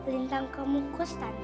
lintang kemukus tante